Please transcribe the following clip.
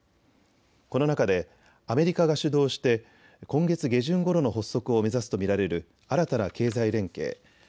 この中でアメリカが主導して今月下旬ごろの発足を目指すと見られる新たな経済連携